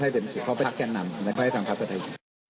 ให้เป็นสิทธิ์เข้าไปพักแก่นนำและให้ทำครับกับไทย